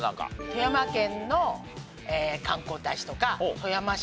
富山県の観光大使とか。